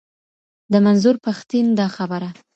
د منظور پښتین دا خبره.